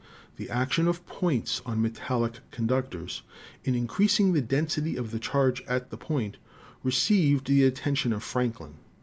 The action of points on metallic conductors in increas ing the density of the charge at the point received the at tention of Franklin.